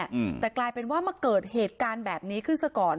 อืมแต่กลายเป็นว่ามาเกิดเหตุการณ์แบบนี้ขึ้นซะก่อน